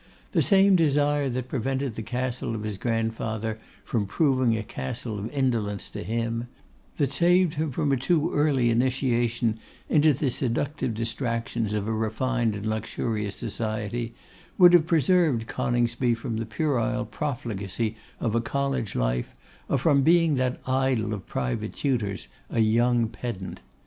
The same desire that prevented the Castle of his grandfather from proving a Castle of Indolence to him, that saved him from a too early initiation into the seductive distractions of a refined and luxurious society, would have preserved Coningsby from the puerile profligacy of a college life, or from being that idol of private tutors, a young pedant.